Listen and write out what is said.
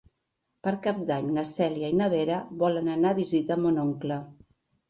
Per Cap d'Any na Cèlia i na Vera volen anar a visitar mon oncle.